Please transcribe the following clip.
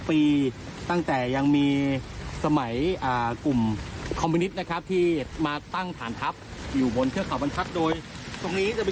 เพื่อไปอย่างค่ายของคอมพินิศที่ตั้งอยู่ด้านในป่าของเทือกข่าวบรรทัศน์ครับ